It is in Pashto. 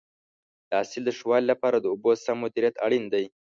د حاصل د ښه والي لپاره د اوبو سم مدیریت اړین دی.